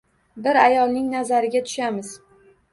Bir ayolning nazariga tushamiz